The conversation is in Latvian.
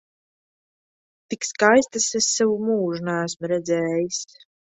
Tik skaistas es savu mūžu neesmu redzējis!